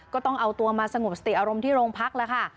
ก็ต้องเอาตัวมาสงบสติอารมณ์ที่โรงพักแล้วค่ะ